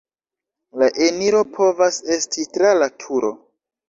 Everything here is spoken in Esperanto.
La eniro povas esti tra la turo.